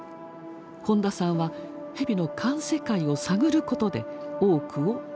本田さんはヘビの環世界を探ることで多くを学んだ。